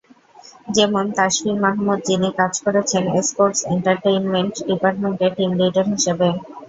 যেমন তাশফি মাহমুদ, যিনি কাজ করছেন স্পোর্টস এন্টারটেইনমেন্ট ডিপার্টমেন্টের টিম লিডার হিসেবে।